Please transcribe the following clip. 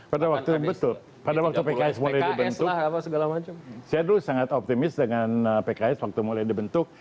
pada waktu pks mulai dibentuk saya dulu sangat optimis dengan pks waktu mulai dibentuk